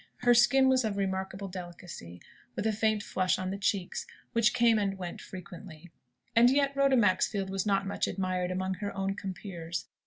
Her skin was of remarkable delicacy, with a faint flush on the cheeks, which came and went frequently. And yet Rhoda Maxfield was not much admired among her own compeers.